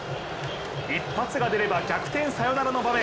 一発が出れば逆転サヨナラの場面。